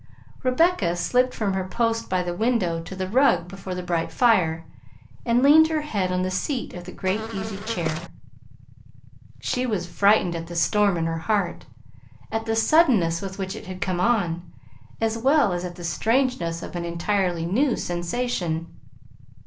Rebecca slipped from her post by the window to the rug before the bright fire and leaned her head on the seat of the great easy chair. She was frightened at the storm in her heart; at the suddenness with which it had come on, as well as at the strangeness of an entirely new sensation.